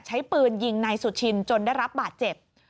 ใช้ปืนยิงนายสุชินจนได้รับบาดเจ็บ